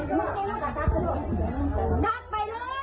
ไปหาหื้อมาใส่น้ำ